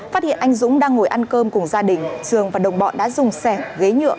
phát hiện anh dũng đang ngồi ăn cơm cùng gia đình trường và đồng bọn đã dùng sẻ ghế nhựa